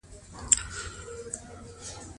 خو بيا هم يو ريفرېشر کورس وۀ -